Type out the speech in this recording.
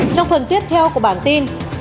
trong phần tiếp theo của bản tin